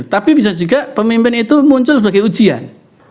tapi bisa juga pemimpin itu muncul sebagai ujian